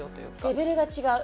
レベルが違う。